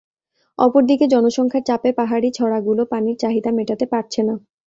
অপর দিকে জনসংখ্যার চাপে পাহাড়ি ছড়াগুলো পানির চাহিদা মেটাতে পারছে না।